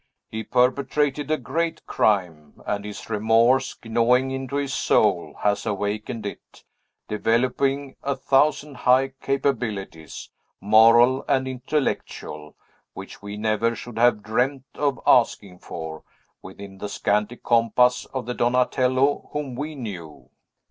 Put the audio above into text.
"He perpetrated a great crime; and his remorse, gnawing into his soul, has awakened it; developing a thousand high capabilities, moral and intellectual, which we never should have dreamed of asking for, within the scanty compass of the Donatello whom we knew."